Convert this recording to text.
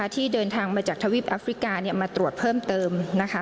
ที่เดินทางมาจากทวีปแอฟริกามาตรวจเพิ่มเติม